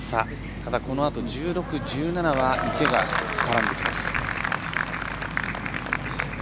ただ、このあと１５、１７は池が絡んできます。